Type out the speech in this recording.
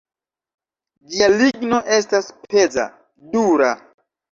Ĝia ligno estas peza, dura.